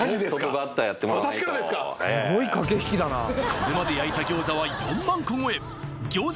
これまで焼いた餃子は４万個超え餃子